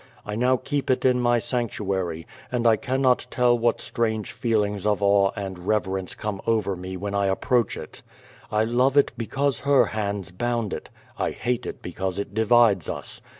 I now keep it in my sanctu ary, and I cannot tell what strange feelings of awe and rev erence comes over me when I approach it. I love it because her hands bound it. I hate it because it divides us.